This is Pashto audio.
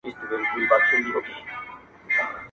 • یار په مینه کي هم خوی د پښتون غواړم,